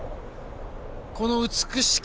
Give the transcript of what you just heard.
この美しき